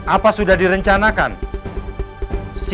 apa hubungan pak riki dengan ibu elsa